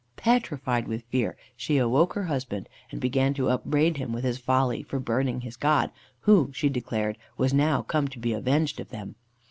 Petrified with fear, she awoke her husband, and began to upbraid him with his folly for burning his god, who, she declared, was now come to be avenged of them.